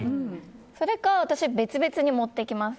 それか私は別々に持っていきます。